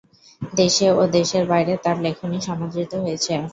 দেশে ও দেশের বাইরে তার লেখনী সমাদৃত হয়েছে।